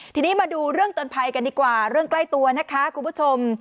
ทีนี้มาดูเรื่องเตือนภัยกันดีกว่าเรื่องใกล้ตัวนะคะคุณผู้ชม